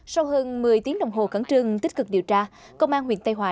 sau hơn một mươi tiếng đồng hồ cấn trương tích cực điều tra công an huyện tây hòa